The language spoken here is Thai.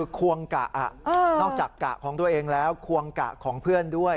ควงกะนอกจากกะของตัวเองแล้วควงกะของเพื่อนด้วย